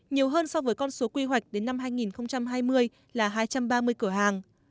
nhiều hơn so với con số quy hoạch đến năm hai nghìn hai mươi là hai trăm ba mươi cửa hàng